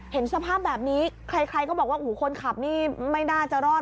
เห็นสภาพแบบนี้ใครก็บอกว่าโอ้โหคนขับนี่ไม่น่าจะรอด